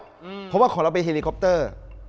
เพราะว่าของเราเป็นเฮลิคอปเตอร์